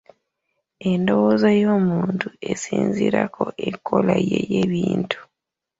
Endowooza y'omuntu esinziirako enkola ye ey'ebintu.